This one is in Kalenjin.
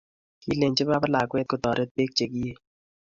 Kilenji baba lakwet kotoret beek chegiie